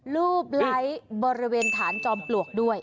รูปไลค์บริเวณฐานจอมปลวกด้วย